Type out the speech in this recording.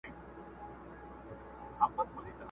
تیاره پر ختمېده ده څوک به ځي څوک به راځي.!